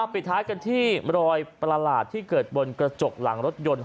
ปิดท้ายกันที่รอยประหลาดที่เกิดบนกระจกหลังรถยนต์